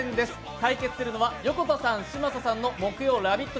対決するのは、横田さん・嶋佐さんの木曜「ラヴィット！」